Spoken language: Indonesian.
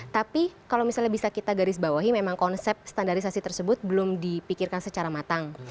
tapi kalau misalnya bisa kita garis bawahi memang konsep standarisasi tersebut belum dipikirkan secara matang